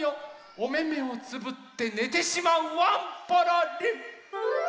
おめめをつぶってねてしまうワンポロリン！